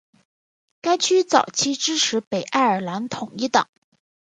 该区早期支持北爱尔兰统一党。